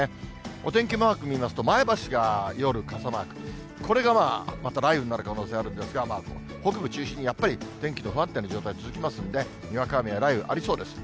お天気マーク見ますと、前橋が夜、傘マーク、これがまあ、また雷雨になる可能性があるんですが、北部中心にやっぱり天気の不安定な状態続きますんで、にわか雨や雷雨ありそうです。